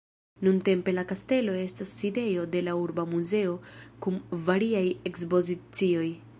Nuntempe la kastelo estas sidejo de la urba muzeo kun variaj ekspozicioj.